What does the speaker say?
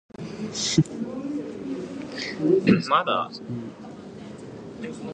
Gillespie served two years in the Peace Corps in Ecuador.